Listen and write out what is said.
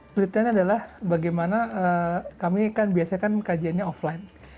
kedua adalah bagaimana kami kan biasanya kan kejiannya offline